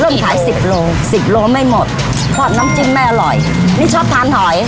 เริ่มขายสิบโลสิบโลไม่หมดทอดน้ำจิ้มไม่อร่อยนี่ชอบทานหอย